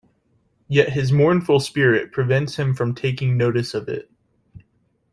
Yet his mournful spirit prevents him from taking notice of it.